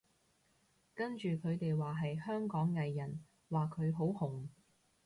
跟住佢哋話係香港藝人，話佢好紅